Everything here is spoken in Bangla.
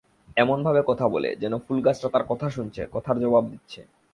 এমনভাবে কথা বলে, যেন ফুলগাছটা তার কথা শুনছে, কথার জবাব দিচ্ছে।